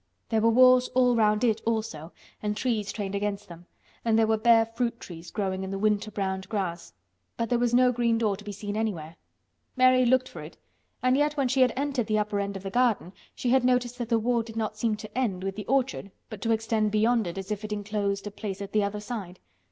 There were walls all round it also and trees trained against them, and there were bare fruit trees growing in the winter browned grass—but there was no green door to be seen anywhere. Mary looked for it, and yet when she had entered the upper end of the garden she had noticed that the wall did not seem to end with the orchard but to extend beyond it as if it enclosed a place at the other side.